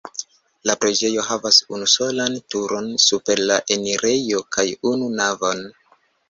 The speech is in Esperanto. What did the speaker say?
La preĝejo havas unusolan turon super la enirejo kaj unu navon.